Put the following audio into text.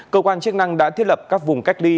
cơ quan chức năng đã thiết lập các vùng cách ly